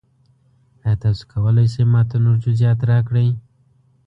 ایا تاسو کولی شئ ما ته نور جزئیات راکړئ؟